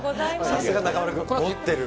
さすが中丸君、もってる。